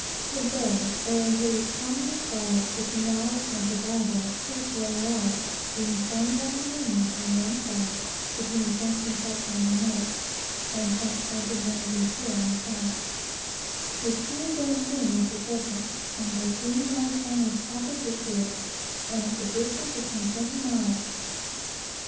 The bay, or, as it was commonly called, the canal of Santa Barbara, is very large, being formed by the main land on one side, (between Point Conception on the north and Point St. Buena Ventura on the south,) which here bends in like a crescent, and three large islands opposite to it and at the distance of twenty miles.